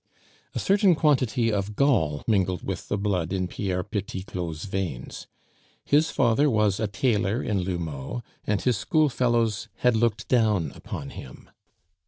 A certain quantity of gall mingled with the blood in Pierre Petit Claud's veins; his father was a tailor in L'Houmeau, and his schoolfellows had looked down upon him.